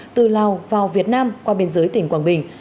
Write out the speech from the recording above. từ lào vào việt nam qua biên giới tỉnh quảng bình